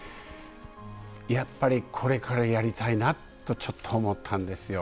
やっぱりこれからやりたいなとちょっと思ったんですよ。